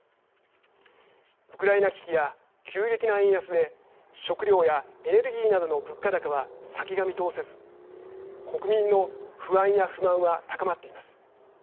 ウクライナ危機や急激な円安で食料やエネルギーなどの物価高は先が見通せず国民の不安や不満は高まっています。